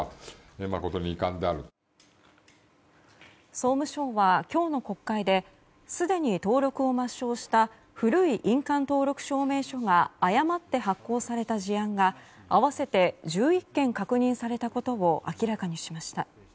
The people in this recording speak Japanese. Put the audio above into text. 総務省は今日の国会ですでに登録を抹消した古い印鑑登録証明書が誤って発行された事案が合わせて１１件確認されたことを明らかにしました。